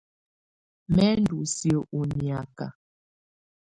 Mɛ̀ ndù siǝ́ ù niaka.